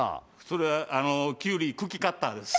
それはキュウリ茎カッターです